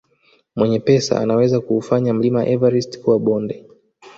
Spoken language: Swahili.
Mwenye pesa anaweza kuufanya mlima everist kuwa bonde